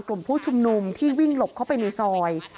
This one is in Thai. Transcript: กลุ่มผู้ชุมนุมที่วิ่งหลบเข้าไปในซอย